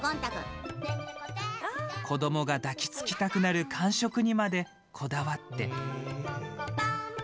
子どもが抱きつきたくなる感触にまでこだわって。